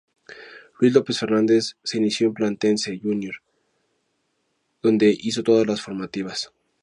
Luis López Fernández se inició en Platense Junior donde hizo todas las formativas.